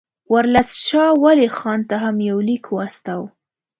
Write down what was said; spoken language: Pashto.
ورلسټ شاه ولي خان ته هم یو لیک واستاوه.